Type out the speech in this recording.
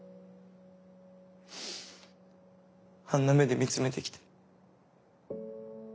あんな目で見つめてきて。